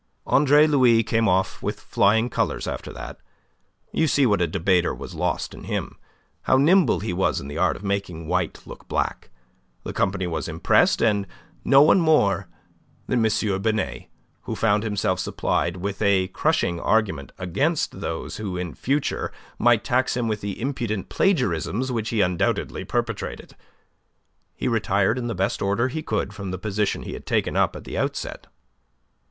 Andre Louis came off with flying colours after that. You see what a debater was lost in him; how nimble he was in the art of making white look black. The company was impressed, and no one more that M. Binet, who found himself supplied with a crushing argument against those who in future might tax him with the impudent plagiarisms which he undoubtedly perpetrated. He retired in the best order he could from the position he had taken up at the outset.